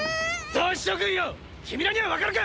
同志諸君よ君らにはわかるか⁉